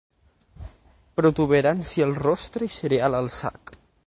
Protuberància al rostre i cereal al sac.